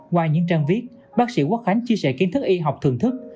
qua những trang viết bác sĩ quốc khánh chia sẻ kiến thức y học thưởng thức